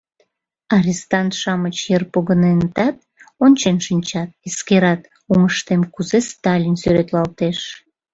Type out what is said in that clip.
Арестант-шамыч йыр погыненытат, ончен шинчат, эскерат, оҥыштем кузе Сталин сӱретлалтеш.